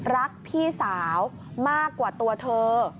รักพี่สาวมากกว่าตัวเธอ